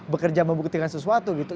bekerja membuktikan sesuatu gitu